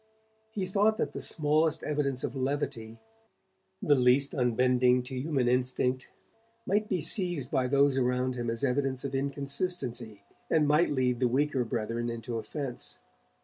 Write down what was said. He thought that the smallest evidence of levity, the least unbending to human instinct, might be seized by those around him as evidence of inconsistency, and might lead the weaker brethren into offence.